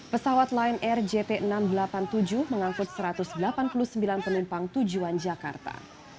pesawat lion air jt enam ratus delapan puluh tujuh mengangkut satu ratus delapan puluh sembilan penumpang tujuan jakarta